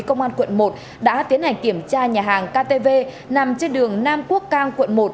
công an quận một đã tiến hành kiểm tra nhà hàng ktv nằm trên đường nam quốc cang quận một